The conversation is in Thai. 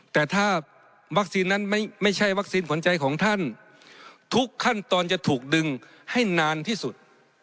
แต่ถ้าวัคซีนนั้นไม่ใช่วัคซีนขวัญใจของท่านทุกขั้นตอนจะถูกดึงให้นานที่สุด